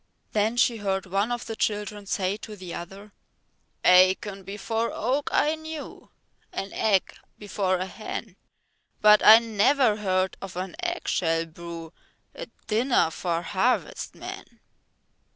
Then she heard one of the children say to the other: Acorn before oak I knew, An egg before a hen, But I never heard of an eggshell brew A dinner for harvest men.